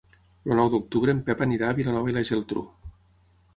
El nou d'octubre en Pep anirà a Vilanova i la Geltrú.